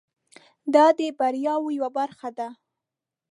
دا د بریاوو یوه برخه ده.